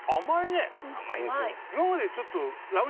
今までちょっと。